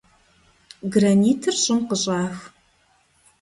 Гранитыр щӀым къыщӀах.